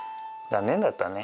残念だったね。